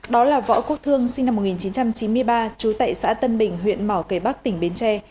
đó là võ quốc thương sinh năm một nghìn chín trăm chín mươi ba trú tại xã tân bình huyện mỏ cây bắc tỉnh bến tre